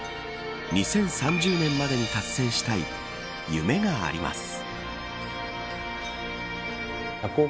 ２０３０年までに達成したい夢があります。